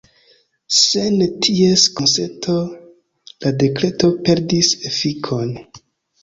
Sen ties konsento la dekreto perdis efikon.